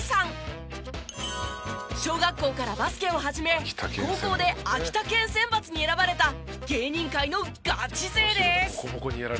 小学校からバスケを始め高校で秋田県選抜に選ばれた芸人界のガチ勢です。